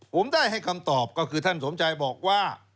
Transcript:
ผมได้ให้คำตอบก็คือท่านสมชัยบอกว่า